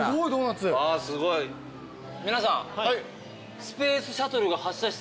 皆さん。